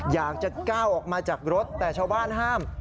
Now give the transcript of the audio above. อยากจะก้าวออกมาจากรถแต่ชาวบ้านห้าม